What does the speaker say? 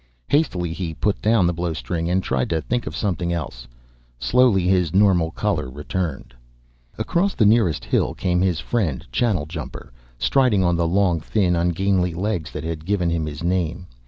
Hastily, he put down the blowstring and tried to think of something else. Slowly his normal color returned. Across the nearest hill came his friend Channeljumper, striding on the long thin ungainly legs that had given him his name.